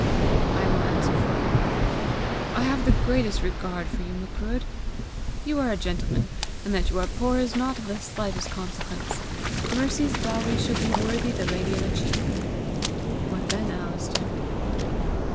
'" "I will answer for him: 'I have the greatest regard for you, Macruadh. You are a gentleman, and that you are poor is not of the slightest consequence; Mercy's dowry shall be worthy the lady of a chief!' What then, Alister?"